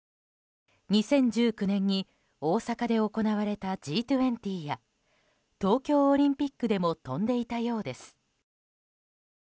２０１９年に大阪で行われたＧ２０や東京オリンピックでも飛んでいたようです。